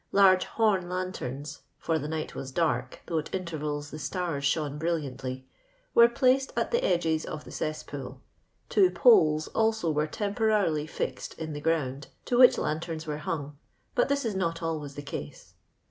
Large horn lanterns (for the night was dark, though at intervals the stars shone brilliantly) were placed at the edges of the cess pool. Two poles also were temporarily fixed in the ground, to which lanterns were hung, but this is not always the case.